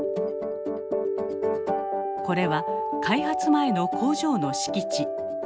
これは開発前の工場の敷地。